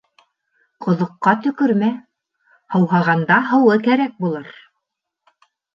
Ҡоҙоҡҡа төкөрмә, һыуһағанда һыуы кәрәк булыр.